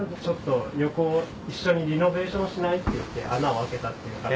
「ちょっと横一緒にリノベーションしない？」って言って穴を開けたっていう。